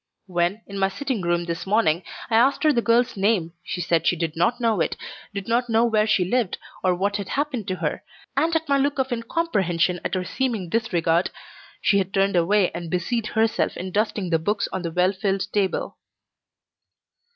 When, in my sitting room this morning, I asked her the girl's name she said she did not know it, did not know where she lived, or what had happened to her, and at my look of incomprehension at her seeming disregard, she had turned away and busied herself in dusting the books on the well filled table.